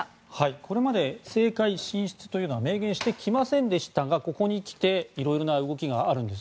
これまで政界進出というのは明言してきませんでしたがここに来ていろいろな動きがあるんです。